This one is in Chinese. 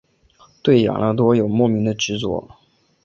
对养乐多有莫名的执着。